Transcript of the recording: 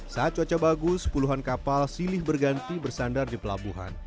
saat cuaca bagus puluhan kapal silih berganti bersandar di pelabuhan